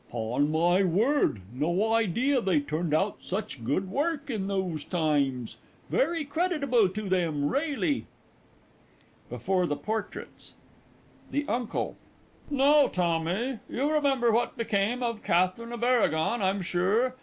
'Pon my word, no idea they turned out such good work in those times very creditable to them, really. BEFORE THE PORTRAITS. THE UNCLE. Now, Tommy, you remember what became of Katherine of Aragon, I'm sure?